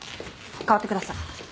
代わってください。